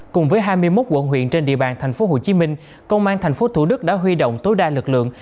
cùng với hai mươi một quận huyện trên địa bàn tp hcm công an tp thủ đức đã huy động tối đa lực lượng